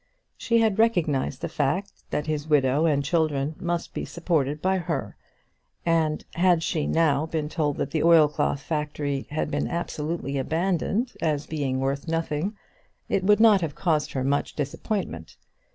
She had recognised the fact that his widow and children must be supported by her; and had she now been told that the oilcloth factory had been absolutely abandoned as being worth nothing, it would not have caused her much disappointment.